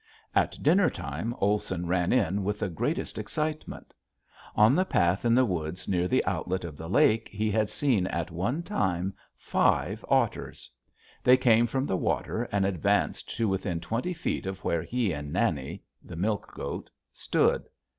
At dinner time Olson ran in with the greatest excitement. On the path in the woods near the outlet of the lake he had seen at one time five otters. They came from the water and advanced to within twenty feet of where he and Nanny the milk goat stood.